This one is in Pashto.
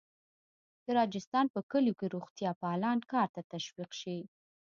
د راجستان په کلیو کې روغتیاپالان کار ته تشویق شي.